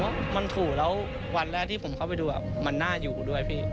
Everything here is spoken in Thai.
เพราะมันถูกแล้ววันแรกที่ผมเข้าไปดูมันน่าอยู่ด้วยพี่